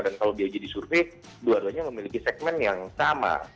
dan kalau dia jadi survei dua duanya memiliki segmen yang sama